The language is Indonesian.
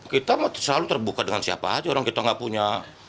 kita selalu terbuka dengan siapa aja orang kita nggak punya